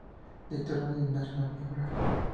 Dictionary of National Biography.